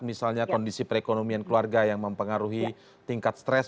misalnya kondisi perekonomian keluarga yang mempengaruhi tingkat stres